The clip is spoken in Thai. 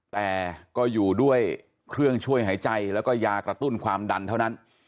แต่ก็อยู่ด้วยเครื่องช่วยหายใจแล้วก็ยากระตุ้นความดันเท่านั้น